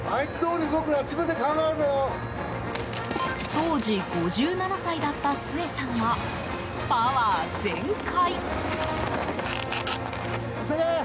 当時５７歳だったスエさんは、パワー全開。